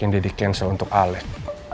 yang udah di cancel untuk alec